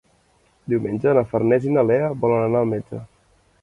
Diumenge na Farners i na Lea volen anar al metge.